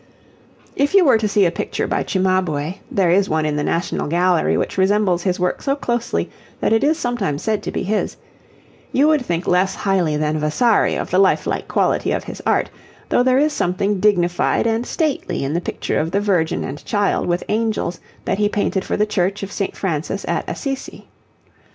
If you were to see a picture by Cimabue (there is one in the National Gallery which resembles his work so closely that it is sometimes said to be his), you would think less highly than Vasari of the life like quality of his art, though there is something dignified and stately in the picture of the Virgin and Child with angels that he painted for the Church of St. Francis at Assisi.